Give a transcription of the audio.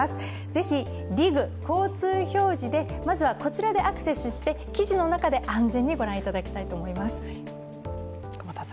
ぜひ「ＤＩＧ交通表示」でまずはこちらでアクセスして、記事の中で、安全にご覧いただきたいと思います。